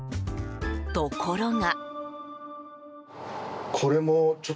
ところが。